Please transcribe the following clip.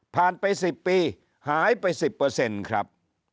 ไป๑๐ปีหายไป๑๐ครับ